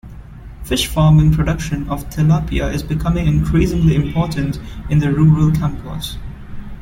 Fishfarming production of Tilapia is becoming increasingly important in the rural campos.